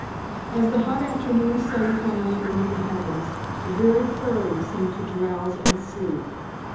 As the hot afternoon sun climbed into the heavens the very prairies seemed to drowse and sleep.